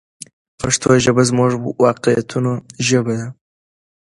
پښتو ژبه زموږ د واقعیتونو ژبه ده.